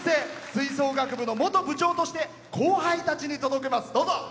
吹奏楽部の元部長として後輩たちに届けます。